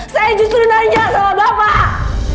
saya justru nanya sama bapak